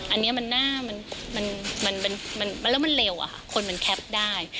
อันนี้มันหน้ามันแล้วมันเร็วอะค่ะคนมันแคปได้